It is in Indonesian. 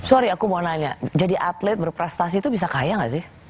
sorry aku mau nanya jadi atlet berprestasi itu bisa kaya gak sih